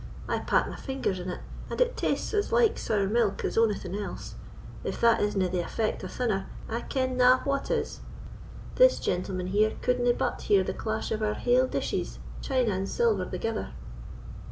I pat my fingers in it, and it tastes as like sour milk as ony thing else; if that isna the effect of thunner, I kenna what is. This gentleman here couldna but hear the clash of our haill dishes, china and silver thegither?"